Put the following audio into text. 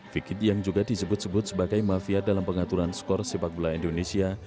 fikid yang juga disebut sebut sebagai mafia dalam pengaturan skor sepak bola indonesia